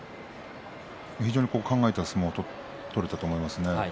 非常に考えた相撲が取れたと思います。